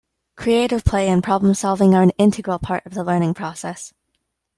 Creative play and problem solving are an integral part of the learning process.